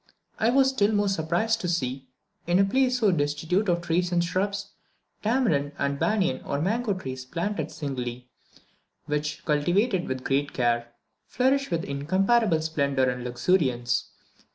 I was still more surprised to see, in a place so destitute of trees and shrubs, tamarind, and banyan or mango trees planted singly, which, cultivated with great care, flourish with incomparable splendour and luxuriance.